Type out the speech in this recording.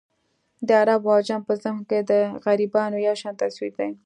د عرب او عجم په ذهن کې د غربیانو یو شان تصویر دی.